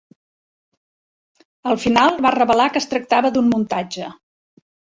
Al final va revelar que es tractava d"un muntatge.